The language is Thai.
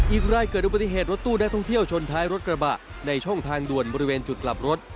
อีกรายเกิดอุบัติเหตุรถตู้นักท่องเที่ยวชนท้ายรถกระบะในช่องทางด่วนบริเวณจุดกลับรถ